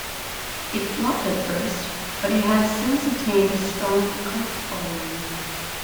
It flopped at first, but it has since attained a strong cult following.